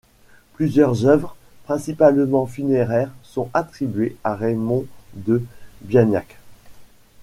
Plusieurs œuvres, principalement funéraires, sont attribuées à Raymond de Bianya.